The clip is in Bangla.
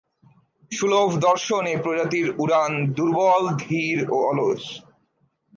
সুলভ-দর্শন এই প্রজাতির উড়ান দুর্বল, ধীর ও অলস।